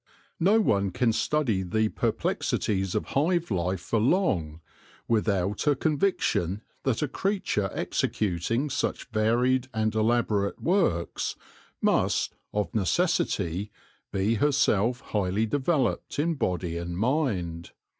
No one can study the perplexities of hive life for long without a con viction that a creature executing such varied and elaborate works must, of necessity, be herself highly developed in body and mind.